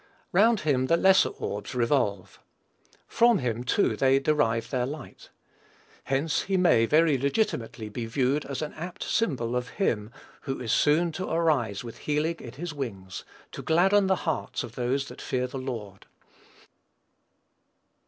Round him the lesser orbs revolve. From him, too, they derive their light. Hence, he may, very legitimately, be viewed as an apt symbol of Him, who is soon to arise with healing in His wings, to gladden the hearts of those that fear the Lord.